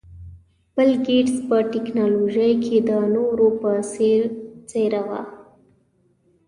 بل ګېټس په ټکنالوژۍ کې د نورو په څېر څېره وه.